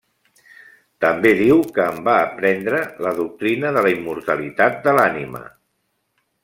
També diu que en va aprendre la doctrina de la immortalitat de l'ànima.